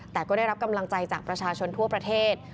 แต่ก็ได้รับกำลังใจจากประชาชนทั่วประเทศ